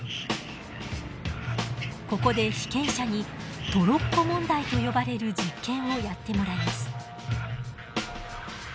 ここで被験者にトロッコ問題と呼ばれる実験をやってもらいます。